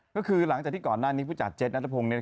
ก็คือหลังจากที่ก่อนหน้านี้ผู้จัดเจ็ดนัตตะพง